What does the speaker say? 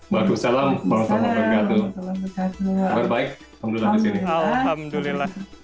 bagus salam maaf sama orang yang ada di situ